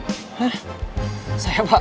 hah saya pak